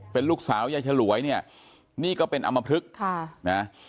เป็นลูกสาวยายฉลวยเนี่ยนี่ก็เป็นอำมพลึกค่ะนะ